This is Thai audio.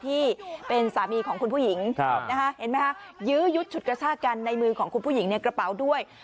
ที่เป็นสามีของคุณผู้หญิงเห็นไหมคะยื้อยุดฉุดกระชากกันในมือของคุณผู้หญิงในกระเป๋าด้วย